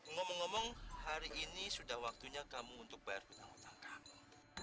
ngomong ngomong hari ini sudah waktunya kamu untuk bayar bintang utang kamu